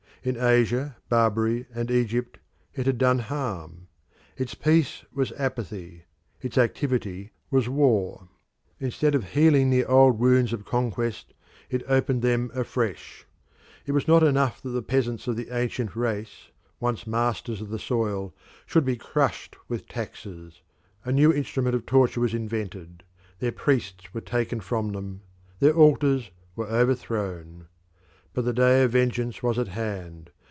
In Asia, Barbary, and Egypt it had done harm. Its peace was apathy: its activity was war. Instead of healing the old wounds of conquest it opened them afresh. It was not enough that the peasants of the ancient race, once masters of the soil, should be crushed with taxes; a new instrument of torture was invented; their priests were taken from them; their altars were overthrown. But the day of vengeance was at hand.